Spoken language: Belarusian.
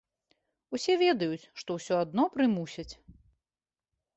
Усе ведаюць, што ўсё адно прымусяць.